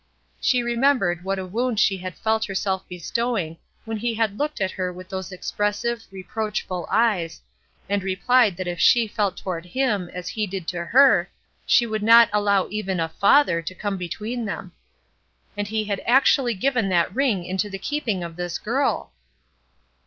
She remembered what a wound she had felt herself bestowing when he had looked at her with those expressive, reproachful eyes, and replied that if she felt toward him as he did to her, she would not allow even a father to come between them. And he had actually given that ring into the keeping of this girl!